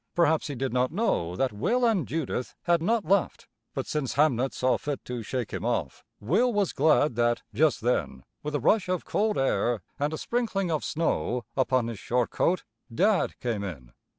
Perhaps he did not know that Will and Judith had not laughed. But since Hamnet saw fit to shake him off, Will was glad that just then, with a rush of cold air and a sprinkling of snow upon his short coat, Dad came in.